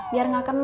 biar gak kena